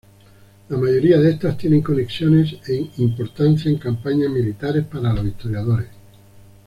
La mayoría de estas tienen conexiones e importancia en campañas militares, para los historiadores.